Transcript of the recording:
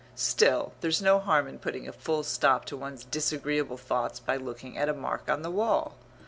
Still, there's no harm in putting a full stop to one's disagreeable thoughts by looking at a mark on the wall.